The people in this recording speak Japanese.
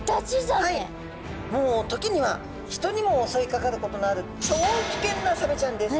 もう時には人にも襲いかかることのある超危険なサメちゃんです。